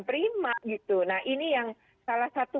prima gitu nah ini yang salah satu